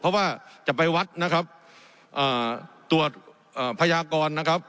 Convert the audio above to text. เพราะว่าจะไปวัดนะครับอ่าตรวจพยากรนะครับ